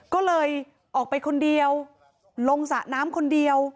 ก็เลยออกไปคนเดียวลงสระน้ำคนเดียว